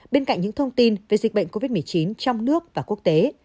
bên cạnh những thông tin về dịch bệnh covid một mươi chín trong nước và quốc tế